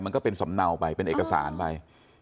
มันก็เป็นสำเนาไปเป็นเอกสารไป